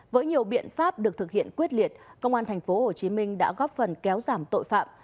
với nhiều biện pháp được thực hiện quyết liệt công an tp hcm đã góp phần kéo giảm tội phạm